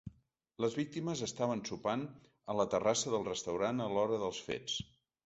Les víctimes estaven sopant a la terrassa del restaurant a l’hora dels fets.